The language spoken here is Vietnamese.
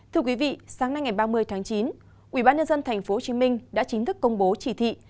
thưa quý vị sáng nay ngày ba mươi tháng chín ubnd tp hcm đã chính thức công bố chỉ thị